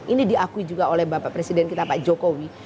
ini diakui juga oleh bapak presiden kita pak jokowi